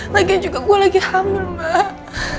lagi juga gue lagi hamil mbak